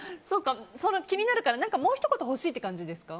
気になるからもうひと言欲しいって感じですか。